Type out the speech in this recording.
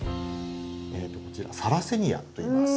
こちらサラセニアといいます。